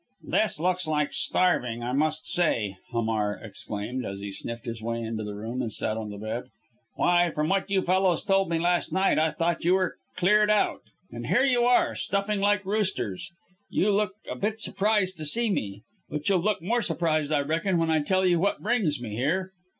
"This looks like starving, I must say!" Hamar exclaimed, as he sniffed his way into the room and sat on the bed. "Why, from what you fellows told me last night I thought you were cleared out. And here you are, stuffing like roosters! You look a bit surprised to see me, but you'll look more surprised, I reckon, when I tell you what brings me here.